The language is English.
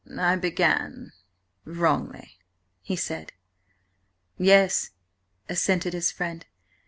"I began–wrongly," he said. "Yes," assented his friend.